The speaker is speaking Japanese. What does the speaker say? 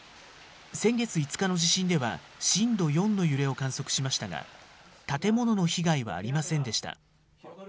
先月５日の地震では震度４の揺れを観測しましたが、建物の被害はありませんでした。